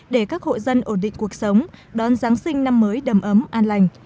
để các hộ dân ổn định cuộc sống đón giáng sinh năm mới đầm ấm an lành